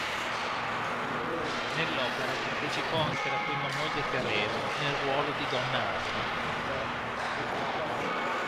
Nell'opera partecipò anche la prima moglie Teresa nel ruolo di "Donna Anna".